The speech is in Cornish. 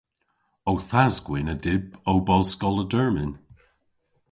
Ow thas-gwynn a dyb ow bos skoll a dermyn.